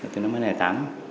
từ năm hai nghìn tám